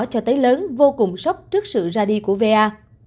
cho tới lớn vô cùng sốc trước sự ra đi của va